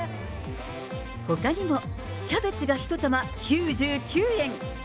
ほかにもキャベツが１玉９９円。